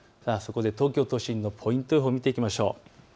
東京都心のポイント予報を見ていきましょう。